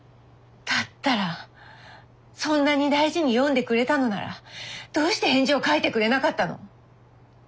だったらそんなに大事に読んでくれたのならどうして返事を書いてくれなかったの？